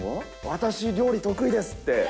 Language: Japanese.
私、料理得意ですって。